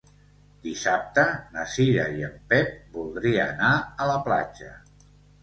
Dissabte na Cira i en Pep voldria anar a la platja.